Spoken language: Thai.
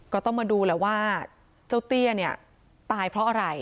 ก็ต้องมาดูแหละว่าเจ้าเตี้ยเนี่ยตายเพราะอะไร